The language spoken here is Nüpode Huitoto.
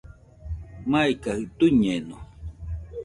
Maikajɨ tuiñeno